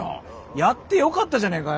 やってよかったじゃねえかよ。